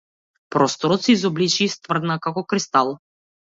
Просторот се изобличи и стврдна како кристал.